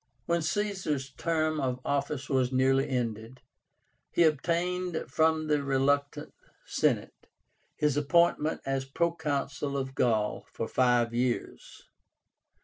When Caesar's term of office was nearly ended, he obtained from the reluctant Senate his appointment as Proconsul of Gaul for five years.